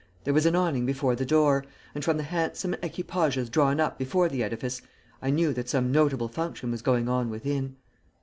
There was an awning before the door, and from the handsome equipages drawn up before the edifice I knew that some notable function was going on within.